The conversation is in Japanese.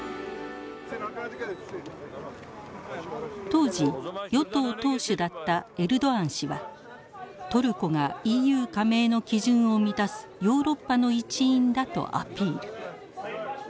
当時与党党首だったエルドアン氏はトルコがＥＵ加盟の基準を満たすヨーロッパの一員だとアピール。